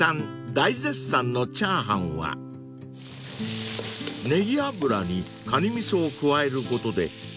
大絶賛のチャーハンはネギ油にカニ味噌を加えることでコクと風味がマシマシに］